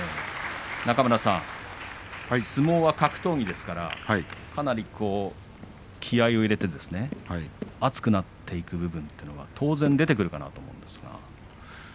中村さん、相撲は格闘技ですからかなり気合いを入れて熱くなっていく部分というのは当然、出てくると思うんですが。